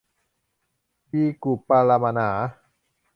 บิกูปะระมาหนา